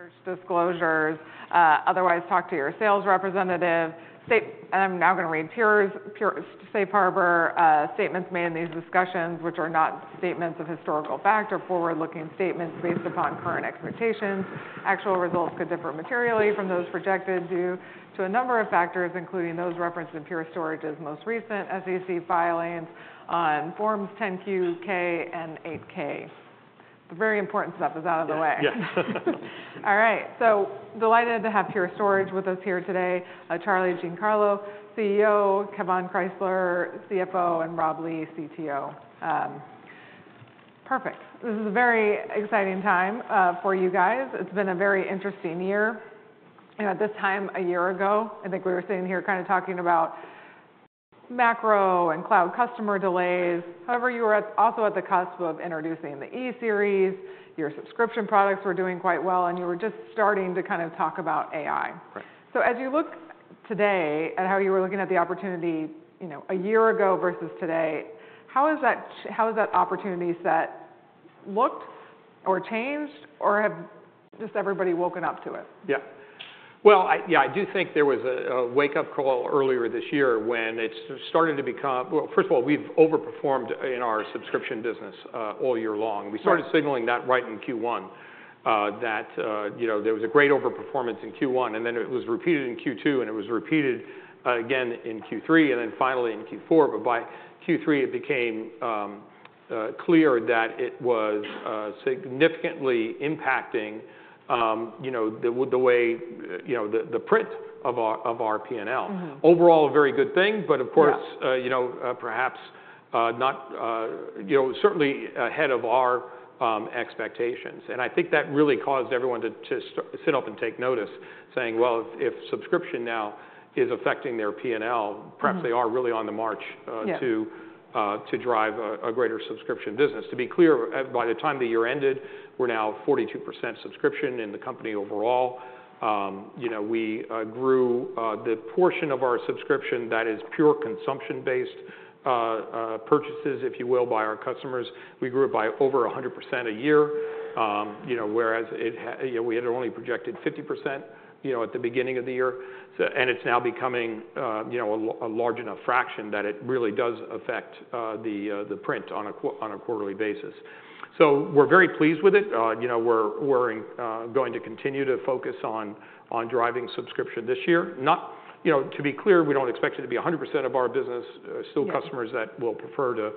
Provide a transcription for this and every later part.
Research disclosures, otherwise talk to your sales representative. I'm now going to read Pure's Safe Harbor statements made in these discussions, which are not statements of historical fact or forward-looking statements based upon current expectations. Actual results could differ materially from those projected due to a number of factors, including those referenced in Pure Storage's most recent SEC filings on Forms 10-Q and 8-K. The very important stuff is out of the way. Yes. All right. So delighted to have Pure Storage with us here today, Charlie Giancarlo, CEO, Kevan Krysler, CFO, and Rob Lee, CTO. Perfect. This is a very exciting time for you guys. It's been a very interesting year. And at this time, a year ago, I think we were sitting here kind of talking about macro and cloud customer delays. However, you were also at the cusp of introducing the E series. Your subscription products were doing quite well, and you were just starting to kind of talk about AI. So as you look today at how you were looking at the opportunity a year ago versus today, how has that opportunity set looked or changed, or have just everybody woken up to it? Yeah. Well, yeah, I do think there was a wake-up call earlier this year when it started to become well, first of all, we've overperformed in our subscription business all year long. We started signaling that right in Q1, that there was a great overperformance in Q1. And then it was repeated in Q2, and it was repeated again in Q3, and then finally in Q4. But by Q3, it became clear that it was significantly impacting the way the print of our P&L. Overall, a very good thing, but of course, perhaps not certainly ahead of our expectations. And I think that really caused everyone to sit up and take notice, saying, well, if subscription now is affecting their P&L, perhaps they are really on the march to drive a greater subscription business. To be clear, by the time the year ended, we're now 42% subscription in the company overall. We grew the portion of our subscription that is pure consumption-based purchases, if you will, by our customers. We grew it by over 100% a year, whereas we had only projected 50% at the beginning of the year. And it's now becoming a large enough fraction that it really does affect the print on a quarterly basis. So we're very pleased with it. We're going to continue to focus on driving subscription this year. To be clear, we don't expect it to be 100% of our business. Still customers that will prefer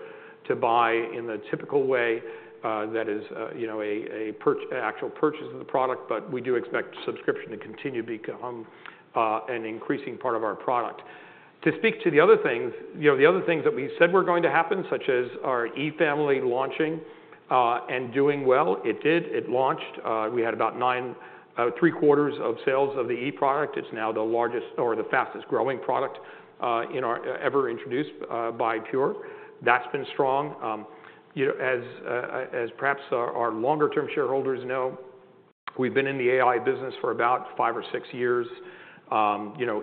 to buy in the typical way that is an actual purchase of the product. But we do expect subscription to continue to become an increasing part of our product. To speak to the other things, the other things that we said were going to happen, such as our E Family launching and doing well, it did. It launched. We had about three-quarters of sales of the E-product. It's now the largest or the fastest growing product ever introduced by Pure. That's been strong. As perhaps our longer-term shareholders know, we've been in the AI business for about five or six years,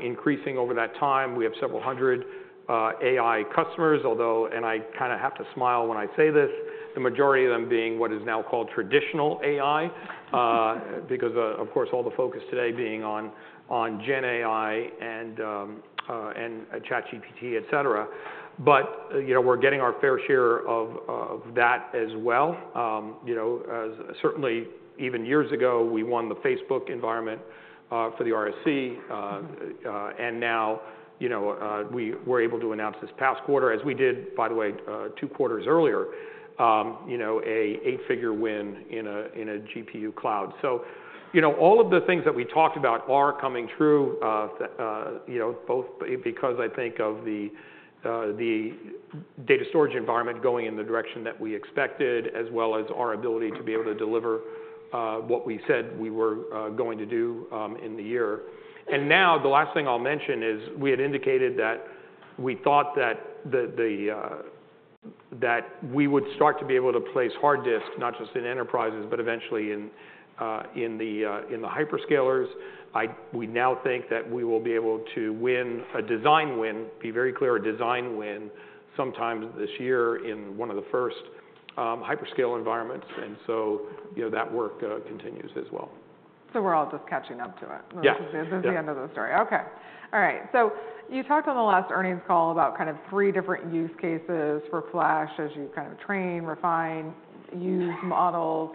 increasing over that time. We have several hundred AI customers, although and I kind of have to smile when I say this, the majority of them being what is now called traditional AI, because, of course, all the focus today being on Gen AI and ChatGPT, et cetera. But we're getting our fair share of that as well. Certainly, even years ago, we won the Facebook environment for the RSC. Now we were able to announce this past quarter, as we did, by the way, two quarters earlier, an eight-figure win in a GPU cloud. All of the things that we talked about are coming true, both because I think of the data storage environment going in the direction that we expected, as well as our ability to be able to deliver what we said we were going to do in the year. Now the last thing I'll mention is we had indicated that we thought that we would start to be able to place hard disks, not just in enterprises, but eventually in the hyperscalers. We now think that we will be able to win a design win, be very clear, a design win sometime this year in one of the first hyperscale environments. So that work continues as well. So we're all just catching up to it. This is the end of the story. OK. All right. So you talked on the last earnings call about kind of three different use cases for flash as you kind of train, refine, use models.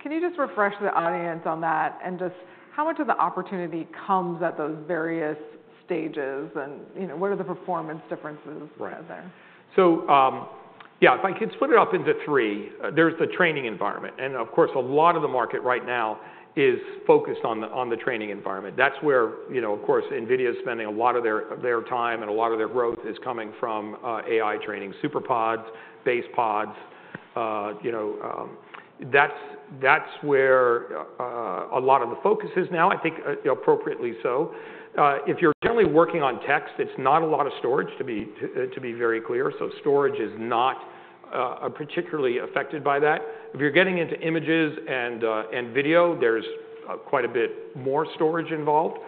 Can you just refresh the audience on that? And just how much of the opportunity comes at those various stages? And what are the performance differences there? So yeah, if I could split it up into three, there's the training environment. And of course, a lot of the market right now is focused on the training environment. That's where, of course, NVIDIA is spending a lot of their time and a lot of their growth is coming from AI training, SuperPODs, BasePODs. That's where a lot of the focus is now, I think appropriately so. If you're generally working on text, it's not a lot of storage, to be very clear. So storage is not particularly affected by that. If you're getting into images and video, there's quite a bit more storage involved.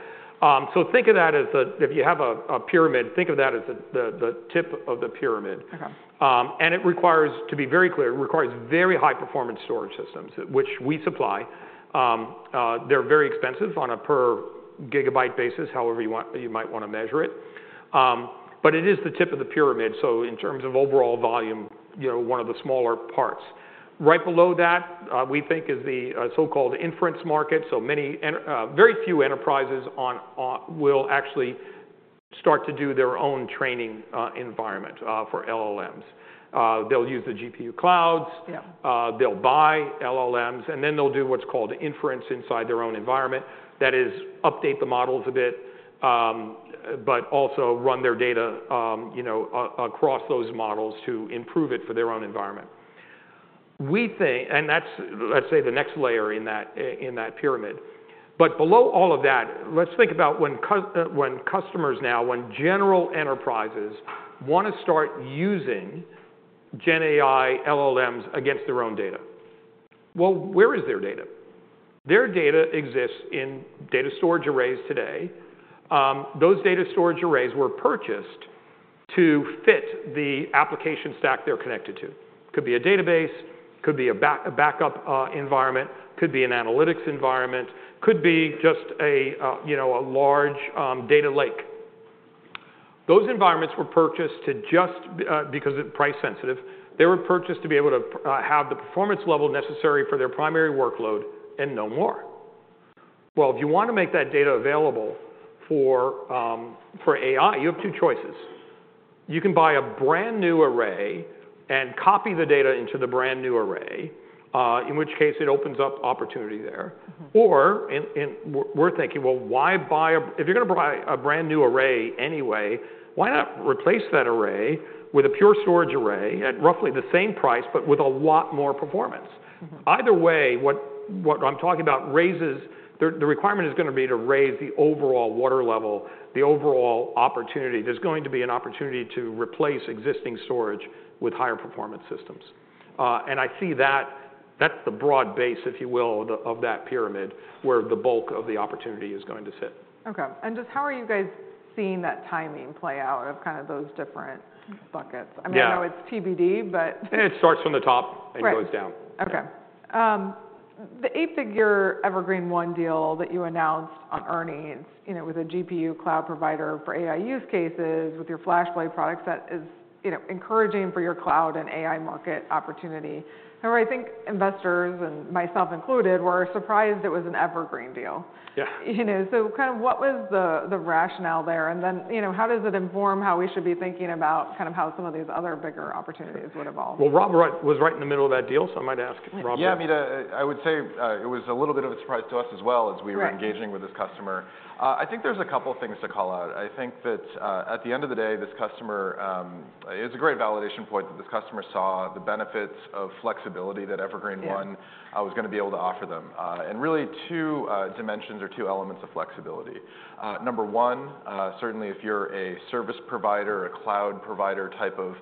So think of that as the if you have a pyramid, think of that as the tip of the pyramid. And it requires, to be very clear, it requires very high-performance storage systems, which we supply. They're very expensive on a per-gigabyte basis, however you might want to measure it. But it is the tip of the pyramid. So in terms of overall volume, one of the smaller parts. Right below that, we think, is the so-called inference market. So very few enterprises will actually start to do their own training environment for LLMs. They'll use the GPU clouds. They'll buy LLMs. And then they'll do what's called inference inside their own environment. That is, update the models a bit, but also run their data across those models to improve it for their own environment. And that's, let's say, the next layer in that pyramid. But below all of that, let's think about when customers now, when general enterprises want to start using Gen AI LLMs against their own data. Well, where is their data? Their data exists in data storage arrays today. Those data storage arrays were purchased to fit the application stack they're connected to. It could be a database. It could be a backup environment. It could be an analytics environment. It could be just a large data lake. Those environments were purchased to just because they're price sensitive. They were purchased to be able to have the performance level necessary for their primary workload and no more. Well, if you want to make that data available for AI, you have two choices. You can buy a brand new array and copy the data into the brand new array, in which case it opens up opportunity there. Or we're thinking, well, why buy a if you're going to buy a brand new array anyway, why not replace that array with a Pure Storage array at roughly the same price, but with a lot more performance? Either way, what I'm talking about raises the requirement is going to be to raise the overall water level, the overall opportunity. There's going to be an opportunity to replace existing storage with higher performance systems. And I see that that's the broad base, if you will, of that pyramid, where the bulk of the opportunity is going to sit. OK. And just how are you guys seeing that timing play out of kind of those different buckets? I mean, I know it's TBD, but. It starts from the top and goes down. OK. The eight-figure Evergreen//One deal that you announced on earnings with a GPU cloud provider for AI use cases with your FlashBlade products, that is encouraging for your cloud and AI market opportunity. However, I think investors, and myself included, were surprised it was an evergreen deal. So kind of what was the rationale there? And then how does it inform how we should be thinking about kind of how some of these other bigger opportunities would evolve? Well, Rob was right in the middle of that deal. So I might ask Rob. Yeah. I mean, I would say it was a little bit of a surprise to us as well as we were engaging with this customer. I think there's a couple of things to call out. I think that at the end of the day, this customer it's a great validation point that this customer saw the benefits of flexibility that Evergreen//One was going to be able to offer them, and really two dimensions or two elements of flexibility. Number one, certainly, if you're a service provider, a cloud provider type of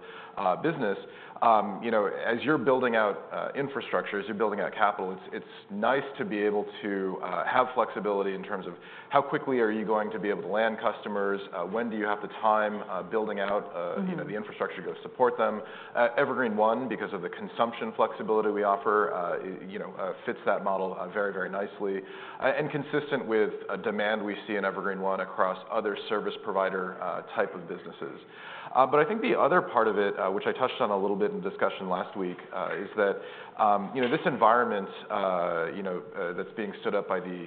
business, as you're building out infrastructure, as you're building out capital, it's nice to be able to have flexibility in terms of how quickly are you going to be able to land customers? When do you have the time building out the infrastructure to go support them? Evergreen//One, because of the consumption flexibility we offer, fits that model very, very nicely and consistent with demand we see in Evergreen//One across other service provider type of businesses. But I think the other part of it, which I touched on a little bit in discussion last week, is that this environment that's being stood up by the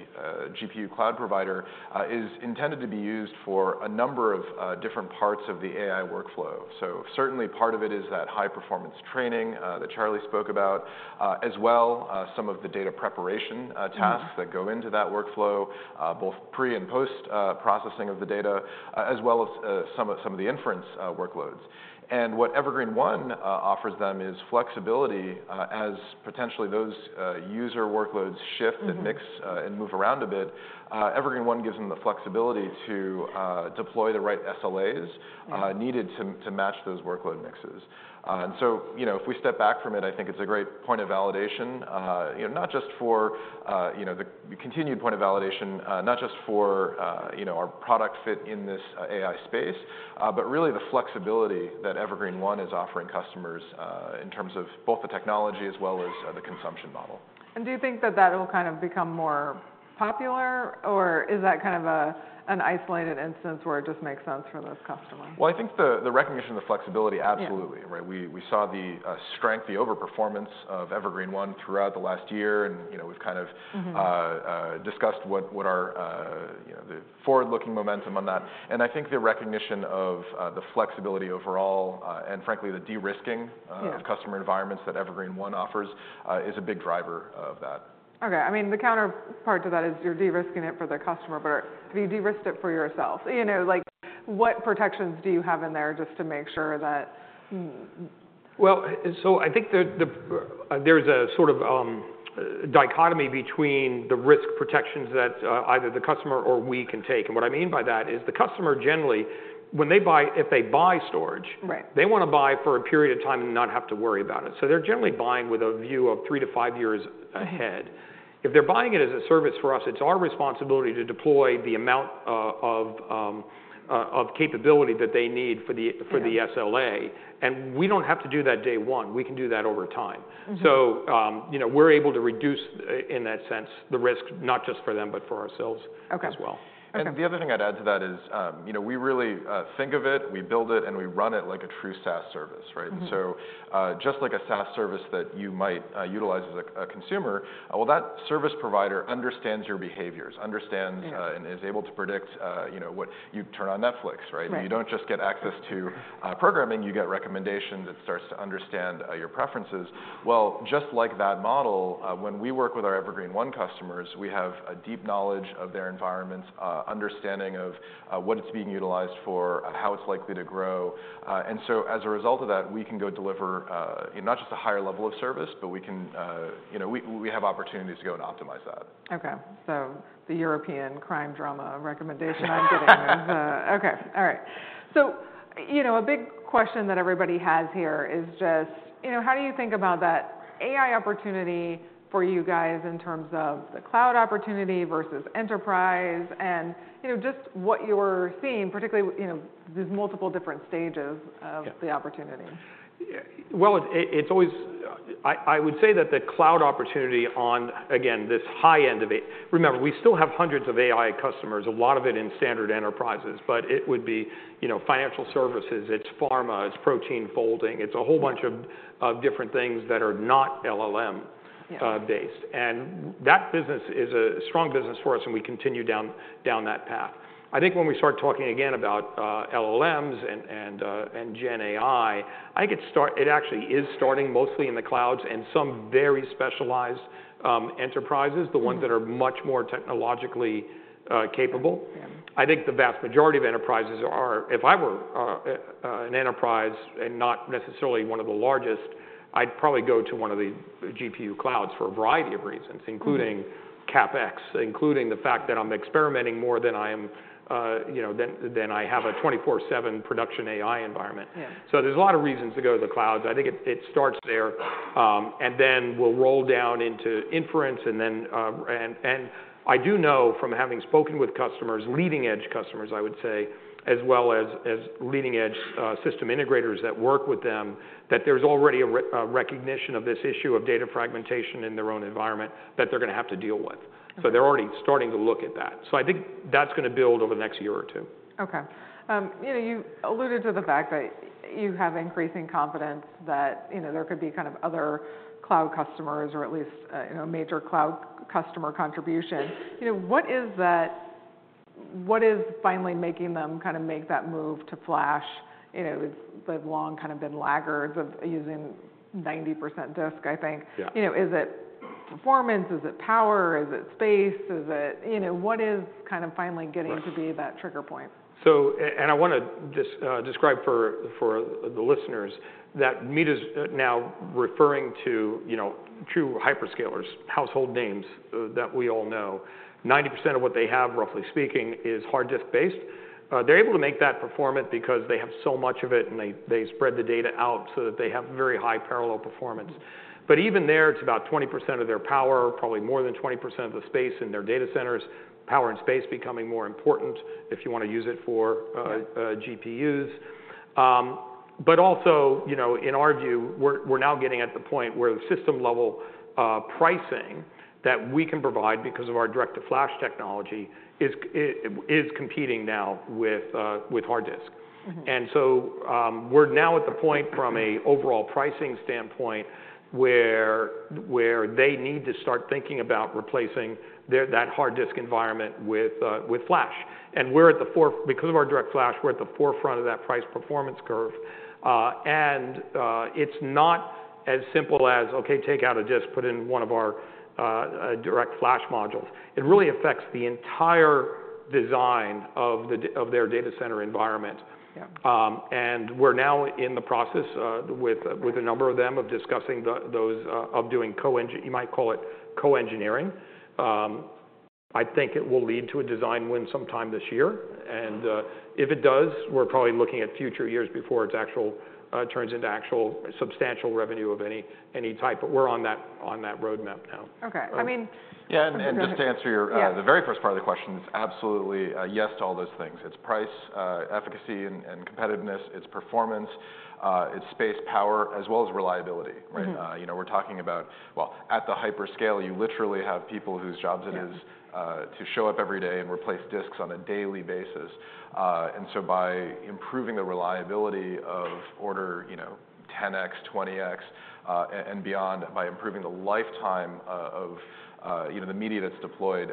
GPU cloud provider is intended to be used for a number of different parts of the AI workflow. So certainly, part of it is that high-performance training that Charlie spoke about, as well as some of the data preparation tasks that go into that workflow, both pre and post-processing of the data, as well as some of the inference workloads. And what Evergreen//One offers them is flexibility as potentially those user workloads shift and mix and move around a bit. Evergreen//One gives them the flexibility to deploy the right SLAs needed to match those workload mixes. And so if we step back from it, I think it's a great point of validation, not just for the continued point of validation, not just for our product fit in this AI space, but really the flexibility that Evergreen//One is offering customers in terms of both the technology as well as the consumption model. Do you think that that will kind of become more popular? Or is that kind of an isolated instance where it just makes sense for this customer? Well, I think the recognition of the flexibility, absolutely. We saw the strength, the overperformance of Evergreen//One throughout the last year. We've kind of discussed what our forward-looking momentum on that. I think the recognition of the flexibility overall and, frankly, the de-risking of customer environments that Evergreen//One offers is a big driver of that. OK. I mean, the counterpart to that is you're de-risking it for the customer. But have you de-risked it for yourself? What protections do you have in there just to make sure that? Well, so I think there is a sort of dichotomy between the risk protections that either the customer or we can take. And what I mean by that is the customer generally, when they buy if they buy storage, they want to buy for a period of time and not have to worry about it. So they're generally buying with a view of three to five years ahead. If they're buying it as a service for us, it's our responsibility to deploy the amount of capability that they need for the SLA. And we don't have to do that day one. We can do that over time. So we're able to reduce, in that sense, the risk not just for them, but for ourselves as well. The other thing I'd add to that is we really think of it. We build it. We run it like a true SaaS service. Just like a SaaS service that you might utilize as a consumer, well, that service provider understands your behaviors, understands, and is able to predict what you turn on Netflix. You don't just get access to programming. You get recommendations. It starts to understand your preferences. Well, just like that model, when we work with our Evergreen//One customers, we have a deep knowledge of their environments, understanding of what it's being utilized for, how it's likely to grow. And so as a result of that, we can go deliver not just a higher level of service, but we have opportunities to go and optimize that. OK. So the European crime drama recommendation I'm getting is OK. All right. So a big question that everybody has here is just, how do you think about that AI opportunity for you guys in terms of the cloud opportunity versus enterprise? And just what you're seeing, particularly there's multiple different stages of the opportunity. Well, I would say that the cloud opportunity on, again, this high end of it. Remember, we still have hundreds of AI customers, a lot of it in standard enterprises. But it would be financial services. It's pharma. It's protein folding. It's a whole bunch of different things that are not LLM-based. And that business is a strong business for us. And we continue down that path. I think when we start talking again about LLMs and Gen AI, I think it actually is starting mostly in the clouds and some very specialized enterprises, the ones that are much more technologically capable. I think the vast majority of enterprises are. If I were an enterprise and not necessarily one of the largest, I'd probably go to one of the GPU clouds for a variety of reasons, including CapEx, including the fact that I'm experimenting more than I am in a 24/7 production AI environment. So there's a lot of reasons to go to the clouds. I think it starts there. Then we'll roll down into inference. I do know from having spoken with customers, leading edge customers, I would say, as well as leading edge system integrators that work with them, that there's already a recognition of this issue of data fragmentation in their own environment that they're going to have to deal with. So they're already starting to look at that. So I think that's going to build over the next year or two. OK. You alluded to the fact that you have increasing confidence that there could be kind of other cloud customers or at least a major cloud customer contribution. What is that? What is finally making them kind of make that move to flash? They've long kind of been laggards of using 90% disk, I think. Is it performance? Is it power? Is it space? What is kind of finally getting to be that trigger point? I want to just describe for the listeners that Meta is now referring to true hyperscalers, household names that we all know. 90% of what they have, roughly speaking, is hard disk-based. They're able to make that performant because they have so much of it. They spread the data out so that they have very high parallel performance. But even there, it's about 20% of their power, probably more than 20% of the space in their data centers, power and space becoming more important if you want to use it for GPUs. But also, in our view, we're now getting at the point where the system-level pricing that we can provide because of our DirectFlash technology is competing now with hard disk. So we're now at the point, from an overall pricing standpoint, where they need to start thinking about replacing that hard disk environment with flash. Because of our DirectFlash, we're at the forefront of that price performance curve. It's not as simple as, OK, take out a disk, put in one of our DirectFlash modules. It really affects the entire design of their data center environment. We're now in the process with a number of them of discussing those of doing co-engineering you might call it co-engineering. I think it will lead to a design win sometime this year. If it does, we're probably looking at future years before it turns into actual substantial revenue of any type. But we're on that roadmap now. OK. I mean. Yeah. And just to answer the very first part of the question, it's absolutely yes to all those things. It's price, efficacy and competitiveness. It's performance. It's space, power, as well as reliability. We're talking about, well, at the hyperscale, you literally have people whose jobs it is to show up every day and replace disks on a daily basis. And so by improving the reliability of order 10x, 20x and beyond, by improving the lifetime of the media that's deployed,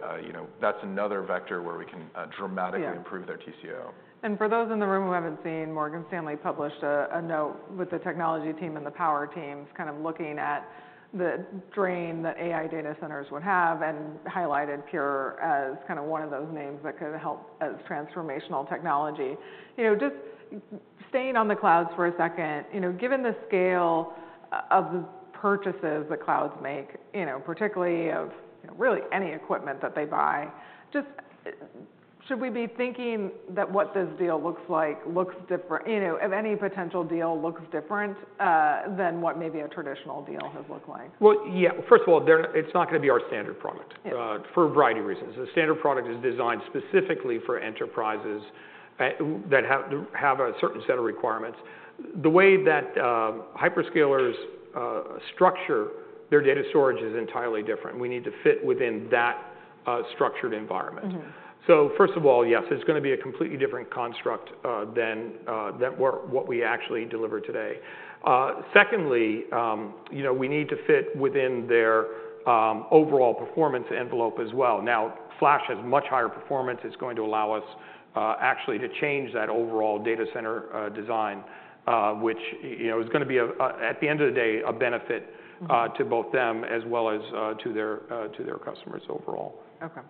that's another vector where we can dramatically improve their TCO. For those in the room who haven't seen, Morgan Stanley published a note with the technology team and the power teams kind of looking at the drain that AI data centers would have and highlighted Pure as kind of one of those names that could help as transformational technology. Just staying on the clouds for a second, given the scale of the purchases that clouds make, particularly of really any equipment that they buy, just should we be thinking that what this deal looks like looks different if any potential deal looks different than what maybe a traditional deal has looked like? Well, yeah. First of all, it's not going to be our standard product for a variety of reasons. The standard product is designed specifically for enterprises that have a certain set of requirements. The way that hyperscalers structure their data storage is entirely different. We need to fit within that structured environment. So first of all, yes, it's going to be a completely different construct than what we actually deliver today. Secondly, we need to fit within their overall performance envelope as well. Now, flash has much higher performance. It's going to allow us actually to change that overall data center design, which is going to be, at the end of the day, a benefit to both them as well as to their customers overall. OK. All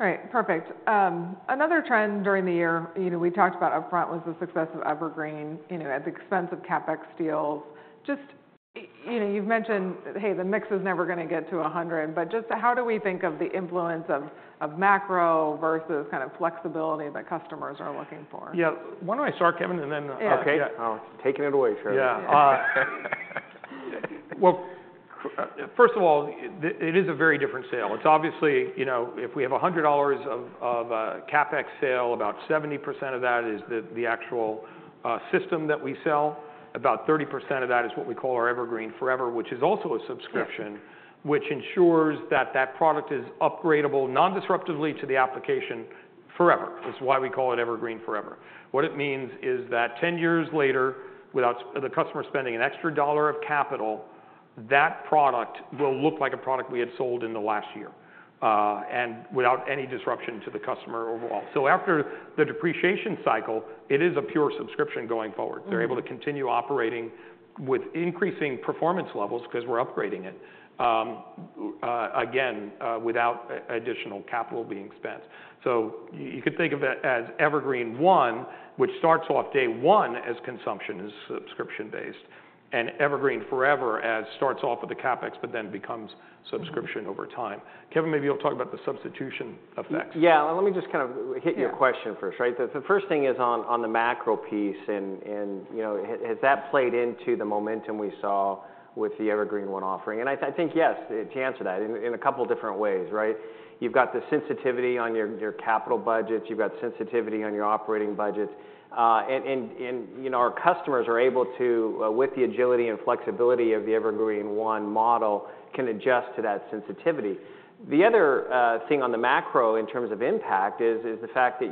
right. Perfect. Another trend during the year we talked about upfront was the success of Evergreen at the expense of CapEx deals. You've mentioned, hey, the mix is never going to get to 100. But just how do we think of the influence of macro versus kind of flexibility that customers are looking for? Yeah. Why don't I start, Kevan, and then OK. Yeah. I'll take it away, Charlie. Yeah. Well, first of all, it is a very different sale. It's obviously, if we have $100 of CapEx sale, about 70% of that is the actual system that we sell. About 30% of that is what we call our Evergreen//Forever, which is also a subscription, which ensures that that product is upgradable non-disruptively to the application forever. That's why we call it Evergreen//Forever. What it means is that 10 years later, without the customer spending an extra dollar of capital, that product will look like a product we had sold in the last year and without any disruption to the customer overall. So after the depreciation cycle, it is a pure subscription going forward. They're able to continue operating with increasing performance levels because we're upgrading it, again, without additional capital being spent. So you could think of it as Evergreen//One, which starts off day one as consumption, is subscription-based, and Evergreen//Forever as starts off with the CapEx but then becomes subscription over time. Kevan, maybe you'll talk about the substitution effects. Yeah. Let me just kind of hit your question first. The first thing is on the macro piece. And has that played into the momentum we saw with the Evergreen//One offering? And I think yes, to answer that in a couple of different ways. You've got the sensitivity on your capital budgets. You've got sensitivity on your operating budgets. And our customers are able to, with the agility and flexibility of the Evergreen//One model, can adjust to that sensitivity. The other thing on the macro in terms of impact is the fact that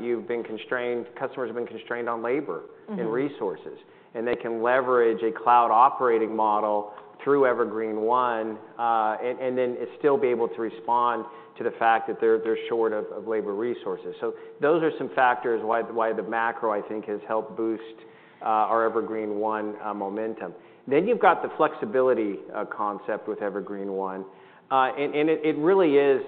customers have been constrained on labor and resources. And they can leverage a cloud operating model through Evergreen//One and then still be able to respond to the fact that they're short of labor resources. So those are some factors why the macro, I think, has helped boost our Evergreen//One momentum. Then you've got the flexibility concept with Evergreen//One. And it really is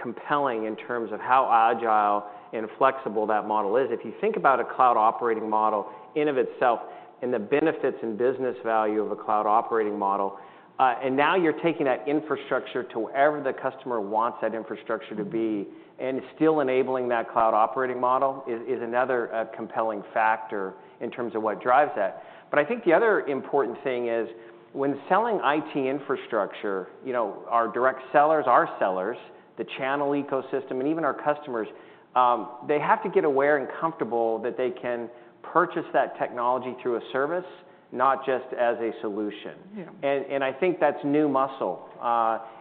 compelling in terms of how agile and flexible that model is. If you think about a cloud operating model in and of itself and the benefits and business value of a cloud operating model and now you're taking that infrastructure to wherever the customer wants that infrastructure to be and still enabling that cloud operating model is another compelling factor in terms of what drives that. But I think the other important thing is when selling IT infrastructure, our direct sellers, our sellers, the channel ecosystem, and even our customers, they have to get aware and comfortable that they can purchase that technology through a service, not just as a solution. And I think that's new muscle.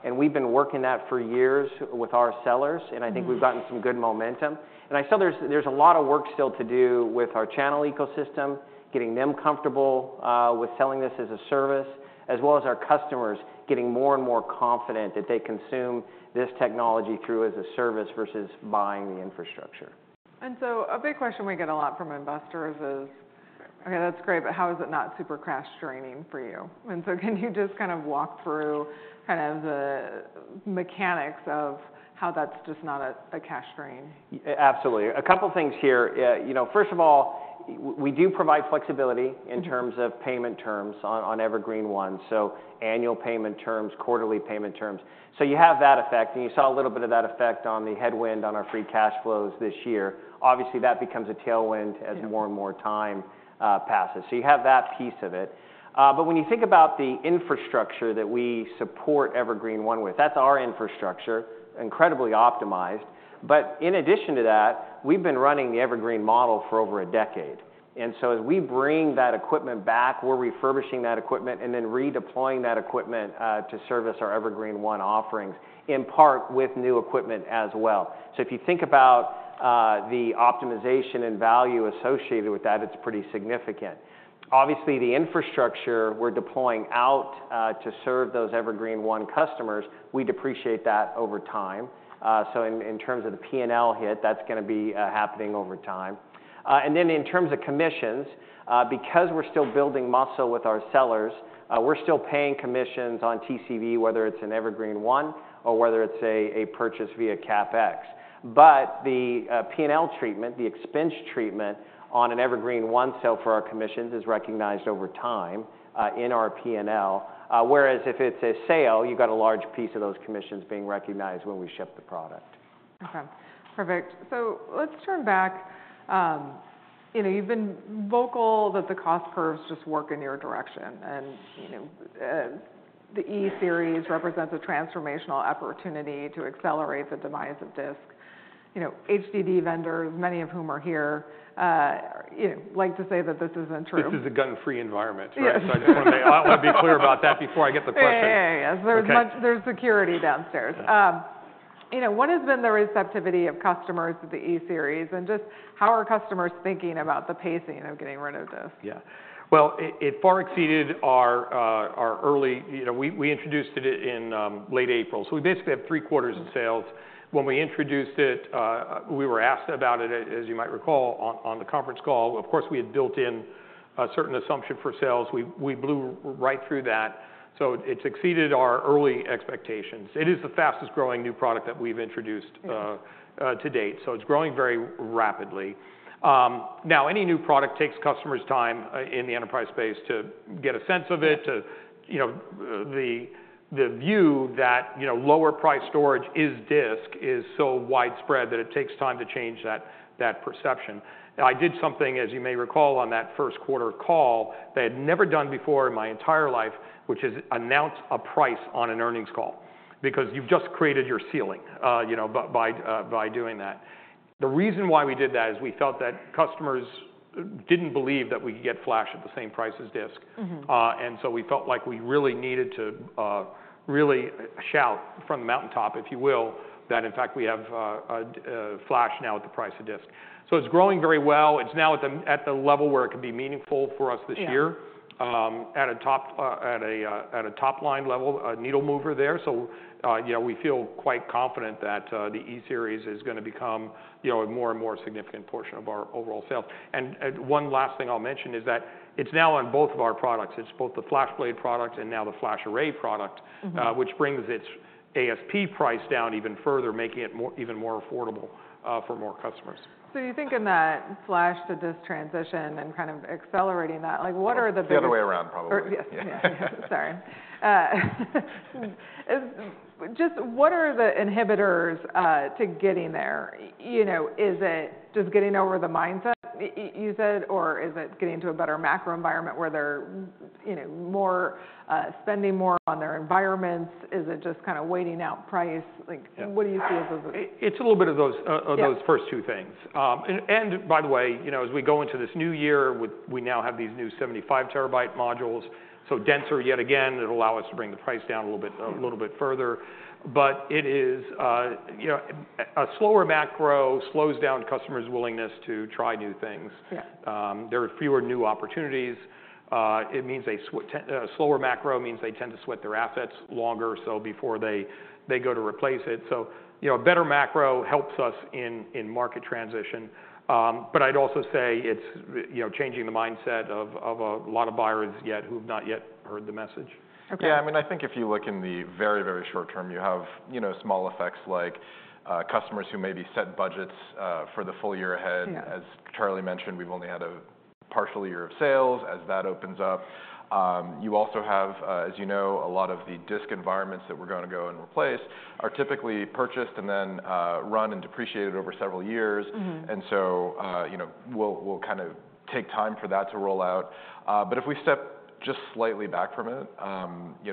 And we've been working that for years with our sellers. And I think we've gotten some good momentum. And there's still a lot of work still to do with our channel ecosystem, getting them comfortable with selling this as a service, as well as our customers getting more and more confident that they consume this technology through as a service versus buying the infrastructure. And so a big question we get a lot from investors is, OK, that's great. But how is it not super cash draining for you? And so can you just kind of walk through kind of the mechanics of how that's just not a cash drain? Absolutely. A couple of things here. First of all, we do provide flexibility in terms of payment terms on Evergreen//One, so annual payment terms, quarterly payment terms. So you have that effect. And you saw a little bit of that effect on the headwind on our free cash flows this year. Obviously, that becomes a tailwind as more and more time passes. So you have that piece of it. But when you think about the infrastructure that we support Evergreen//One with, that's our infrastructure, incredibly optimized. But in addition to that, we've been running the Evergreen model for over a decade. And so as we bring that equipment back, we're refurbishing that equipment and then redeploying that equipment to service our Evergreen//One offerings, in part with new equipment as well. So if you think about the optimization and value associated with that, it's pretty significant. Obviously, the infrastructure we're deploying out to serve those Evergreen//One customers, we depreciate that over time. So in terms of the P&L hit, that's going to be happening over time. And then in terms of commissions, because we're still building muscle with our sellers, we're still paying commissions on TCV, whether it's an Evergreen//One or whether it's a purchase via CapEx. But the P&L treatment, the expense treatment on an Evergreen//One sale for our commissions is recognized over time in our P&L, whereas if it's a sale, you've got a large piece of those commissions being recognized when we ship the product. OK. Perfect. So let's turn back. You've been vocal that the cost curves just work in your direction. And the E series represents a transformational opportunity to accelerate the demise of disk. HDD vendors, many of whom are here, like to say that this isn't true. This is a gun-free environment. So I just want to be clear about that before I get the question. Yeah, yeah, yeah. There's security downstairs. What has been the receptivity of customers to the E series? And just how are customers thinking about the pacing of getting rid of disk? Yeah. Well, it far exceeded our early expectations. We introduced it in late April. So we basically have three quarters of sales. When we introduced it, we were asked about it, as you might recall, on the conference call. Of course, we had built in a certain assumption for sales. We blew right through that. So it's exceeded our early expectations. It is the fastest growing new product that we've introduced to date. So it's growing very rapidly. Now, any new product takes customers' time in the enterprise space to get a sense of it, to change the view that lower-priced storage is disk so widespread that it takes time to change that perception. I did something, as you may recall, on that first quarter call that I had never done before in my entire life, which is announce a price on an earnings call because you've just created your ceiling by doing that. The reason why we did that is we felt that customers didn't believe that we could get flash at the same price as disk. And so we felt like we really needed to really shout from the mountaintop, if you will, that in fact, we have flash now at the price of disk. So it's growing very well. It's now at the level where it can be meaningful for us this year at a top line level, a needle mover there. So we feel quite confident that the E series is going to become a more and more significant portion of our overall sales. One last thing I'll mention is that it's now on both of our products. It's both the FlashBlade product and now the FlashArray product, which brings its ASP price down even further, making it even more affordable for more customers. So you think in that flash to disk transition and kind of accelerating that, what are the big? The other way around, probably. Yes. Sorry. Just what are the inhibitors to getting there? Is it just getting over the mindset, you said? Or is it getting to a better macro environment where they're spending more on their environments? Is it just kind of waiting out price? What do you see as those? It's a little bit of those first two things. And by the way, as we go into this new year, we now have these new 75 TB modules. So denser yet again. It'll allow us to bring the price down a little bit further. But it is a slower macro slows down customers' willingness to try new things. There are fewer new opportunities. A slower macro means they tend to sweat their assets longer so before they go to replace it. So a better macro helps us in market transition. But I'd also say it's changing the mindset of a lot of buyers yet who have not yet heard the message. Yeah. I mean, I think if you look in the very, very short term, you have small effects like customers who maybe set budgets for the full year ahead. As Charlie mentioned, we've only had a partial year of sales as that opens up. You also have, as you know, a lot of the disk environments that we're going to go and replace are typically purchased and then run and depreciated over several years. And so we'll kind of take time for that to roll out. But if we step just slightly back from it,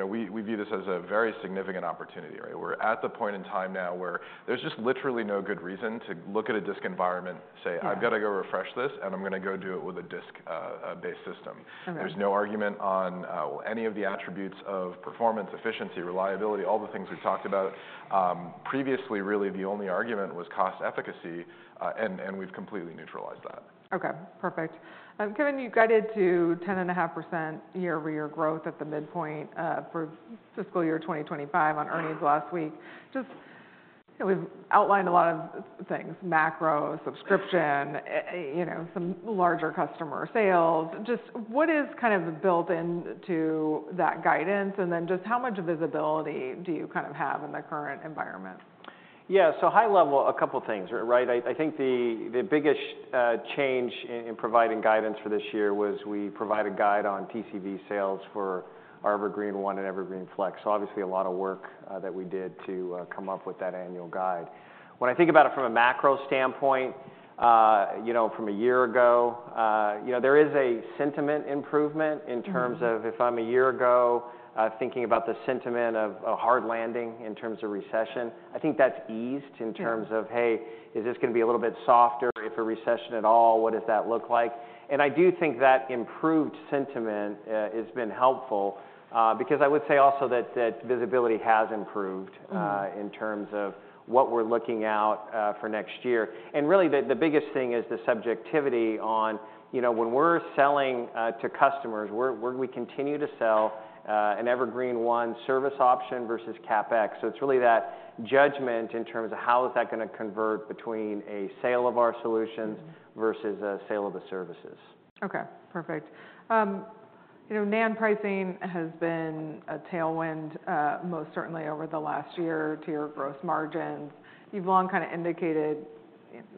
we view this as a very significant opportunity. We're at the point in time now where there's just literally no good reason to look at a disk environment, say, I've got to go refresh this. And I'm going to go do it with a disk-based system. There's no argument on any of the attributes of performance, efficiency, reliability, all the things we've talked about. Previously, really, the only argument was cost efficacy. We've completely neutralized that. OK. Perfect. Kevan, you guided to 10.5% year-over-year growth at the midpoint for fiscal year 2025 on earnings last week. We've outlined a lot of things: macro, subscription, some larger customer sales. Just what is kind of built into that guidance? And then just how much visibility do you kind of have in the current environment? Yeah. So high level, a couple of things. I think the biggest change in providing guidance for this year was we provide a guide on TCV sales for our Evergreen//One and Evergreen//Flex. So obviously, a lot of work that we did to come up with that annual guide. When I think about it from a macro standpoint, from a year ago, there is a sentiment improvement in terms of if I'm a year ago thinking about the sentiment of a hard landing in terms of recession, I think that's eased in terms of, hey, is this going to be a little bit softer? If a recession at all, what does that look like? And I do think that improved sentiment has been helpful because I would say also that visibility has improved in terms of what we're looking out for next year. Really, the biggest thing is the subjectivity on when we're selling to customers, where do we continue to sell an Evergreen//One service option versus CapEx? It's really that judgment in terms of how is that going to convert between a sale of our solutions versus a sale of the services. OK. Perfect. NAND pricing has been a tailwind, most certainly over the last year, to your gross margins. You've long kind of indicated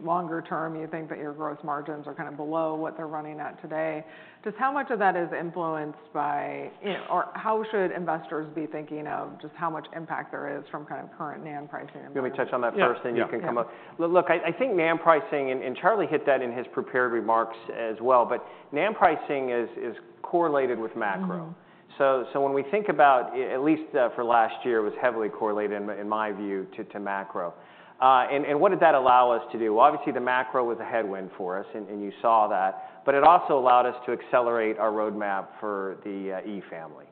longer term you think that your gross margins are kind of below what they're running at today. Just how much of that is influenced by or how should investors be thinking of just how much impact there is from kind of current NAND pricing? You want me to touch on that first? And you can come up. Look, I think NAND pricing and Charlie hit that in his prepared remarks as well. But NAND pricing is correlated with macro. So when we think about at least for last year, it was heavily correlated, in my view, to macro. And what did that allow us to do? Obviously, the macro was a headwind for us. And you saw that. But it also allowed us to accelerate our roadmap for the E family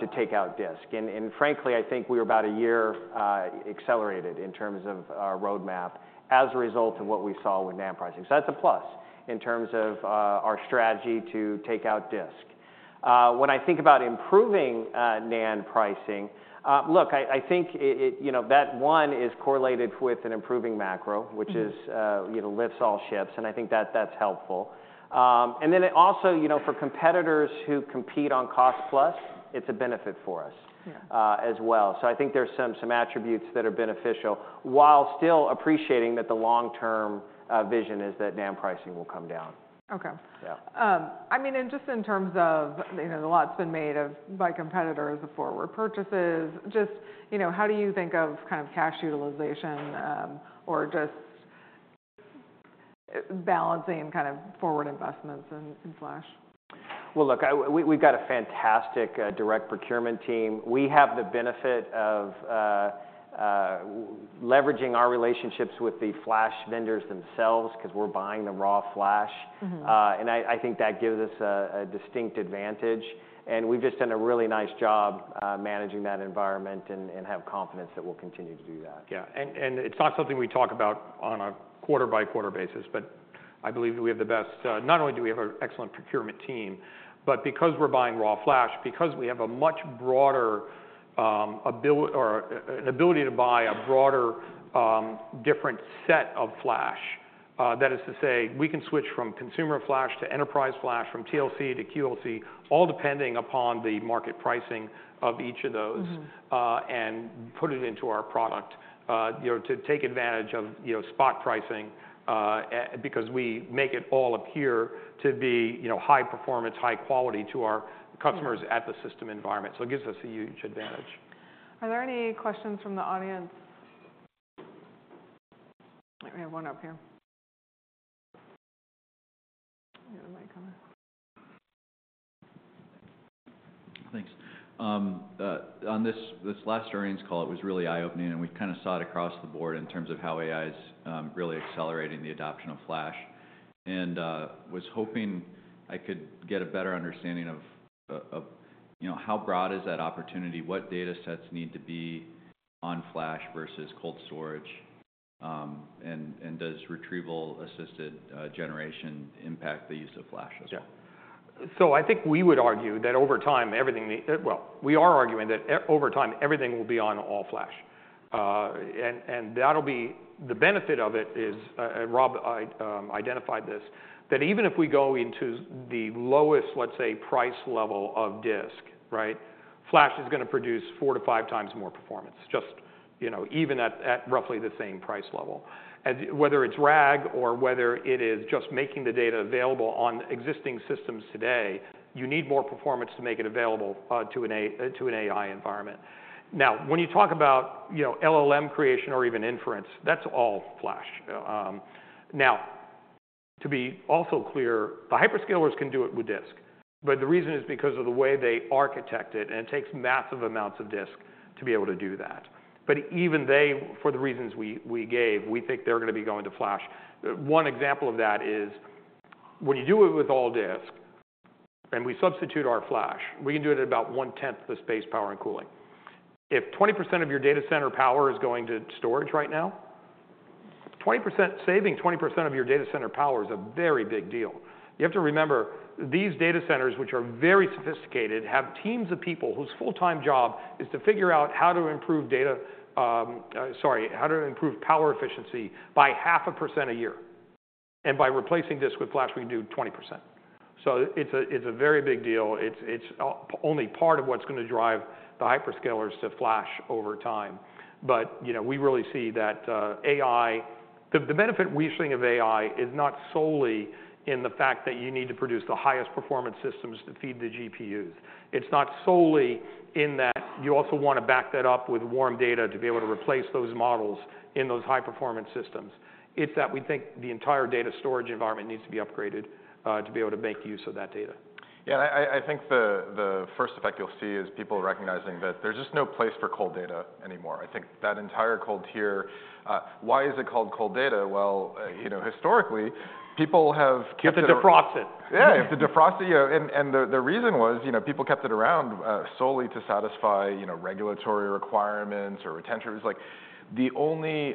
to take out disk. And frankly, I think we were about a year accelerated in terms of our roadmap as a result of what we saw with NAND pricing. So that's a plus in terms of our strategy to take out disk. When I think about improving NAND pricing, look, I think that one is correlated with an improving macro, which lifts all ships. I think that that's helpful. Then also, for competitors who compete on cost plus, it's a benefit for us as well. So I think there's some attributes that are beneficial while still appreciating that the long-term vision is that NAND pricing will come down. OK. I mean, and just in terms of a lot's been made by competitors of forward purchases, just how do you think of kind of cash utilization or just balancing kind of forward investments in flash? Well, look, we've got a fantastic direct procurement team. We have the benefit of leveraging our relationships with the flash vendors themselves because we're buying the raw flash. And I think that gives us a distinct advantage. And we've just done a really nice job managing that environment and have confidence that we'll continue to do that. Yeah. It's not something we talk about on a quarter-by-quarter basis. But I believe that we have the best not only do we have an excellent procurement team, but because we're buying raw flash, because we have an ability to buy a broader, different set of flash, that is to say, we can switch from consumer flash to enterprise flash, from TLC to QLC, all depending upon the market pricing of each of those, and put it into our product to take advantage of spot pricing because we make it all appear to be high performance, high quality to our customers at the system environment. So it gives us a huge advantage. Are there any questions from the audience? We have one up here. Thanks. On this last earnings call, it was really eye-opening. And we kind of saw it across the board in terms of how AI is really accelerating the adoption of flash. And I was hoping I could get a better understanding of how broad is that opportunity? What data sets need to be on flash versus cold storage? And does Retrieval-Assisted Generation impact the use of flash as well? Yeah. So I think we would argue that over time, everything—well, we are arguing that over time, everything will be on all flash. And the benefit of it is Rob identified this, that even if we go into the lowest, let's say, price level of disk, flash is going to produce four to five times more performance, even at roughly the same price level. Whether it's RAG or whether it is just making the data available on existing systems today, you need more performance to make it available to an AI environment. Now, when you talk about LLM creation or even inference, that's all flash. Now, to be also clear, the hyperscalers can do it with disk. But the reason is because of the way they architect it. And it takes massive amounts of disk to be able to do that. But even they, for the reasons we gave, we think they're going to be going to flash. One example of that is when you do it with all disk and we substitute our flash, we can do it at about 1/10 the space power and cooling. If 20% of your data center power is going to storage right now, saving 20% of your data center power is a very big deal. You have to remember, these data centers, which are very sophisticated, have teams of people whose full-time job is to figure out how to improve data sorry, how to improve power efficiency by 0.5% a year. And by replacing disk with flash, we can do 20%. So it's a very big deal. It's only part of what's going to drive the hyperscalers to flash over time. But we really see that AI, the benefit we're seeing of AI, is not solely in the fact that you need to produce the highest performance systems to feed the GPUs. It's not solely in that you also want to back that up with warm data to be able to replace those models in those high-performance systems. It's that we think the entire data storage environment needs to be upgraded to be able to make use of that data. Yeah. And I think the first effect you'll see is people recognizing that there's just no place for cold data anymore. I think that entire cold tier. Why is it called cold data? Well, historically, people have kept it. You have to defrost it. Yeah. You have to defrost it. The reason was people kept it around solely to satisfy regulatory requirements or retention. It was like the only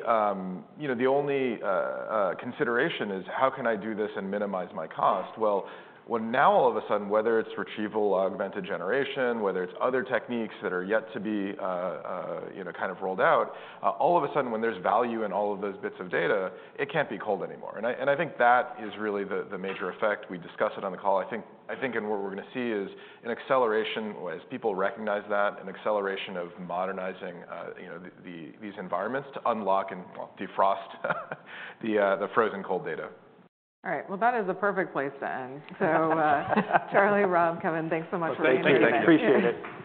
consideration is, how can I do this and minimize my cost? Well, now all of a sudden, whether it's Retrieval-Augmented Generation, whether it's other techniques that are yet to be kind of rolled out, all of a sudden, when there's value in all of those bits of data, it can't be cold anymore. I think that is really the major effect. We discuss it on the call. I think what we're going to see is an acceleration as people recognize that, an acceleration of modernizing these environments to unlock and defrost the frozen cold data. All right. Well, that is a perfect place to end. Charlie, Rob, Kevan, thanks so much for being here. Thank you. I appreciate it.